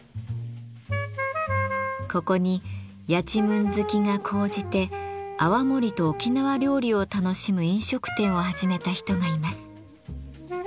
ここにやちむん好きが高じて泡盛と沖縄料理を楽しむ飲食店を始めた人がいます。